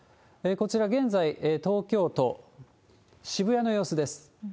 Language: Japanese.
こちら、現在東京都渋谷の様子です。